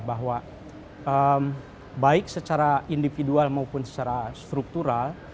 bahwa baik secara individual maupun secara struktural